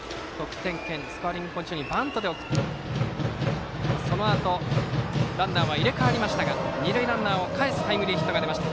スコアリングポジションにバントで送りそのあと、ランナーは入れ替わりましたが二塁ランナーをかえすタイムリーヒットが出ました。